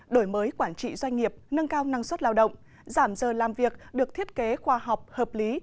đổi mới quản trị doanh nghiệp nâng cao năng suất lao động giảm giờ làm việc được thiết kế khoa học hợp lý